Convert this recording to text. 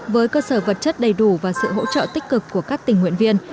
với cơ sở vật chất đầy đủ và sự hỗ trợ tích cực của các tình nguyện viên